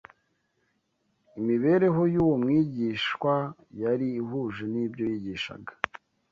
Imibereho y’uwo mwigishwa yari ihuje n’ibyo yigishaga